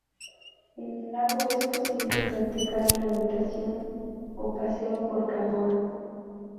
En el lago es posible practicar la natación o paseo por canoa.